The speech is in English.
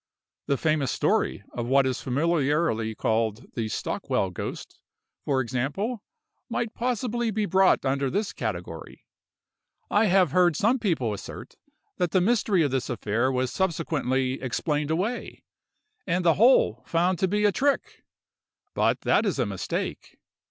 The famous story of what is familiarly called the Stockwell ghost, for example, might possibly be brought under this category. I have heard some people assert that the mystery of this affair was subsequently explained away, and the whole found to be a trick: but that is a mistake.